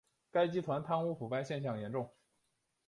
该集团贪污腐败现象严重。